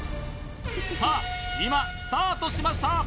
さあ今スタートしました！